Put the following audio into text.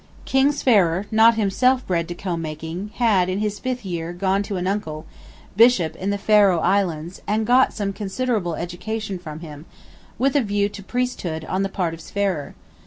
King Sverrir, not himself bred to comb making, had, in his fifth year, gone to an uncle, Bishop in the Faroe Islands; and got some considerable education from him, with a view to Priesthood on the part of Sverrir.